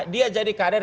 dia jadi kader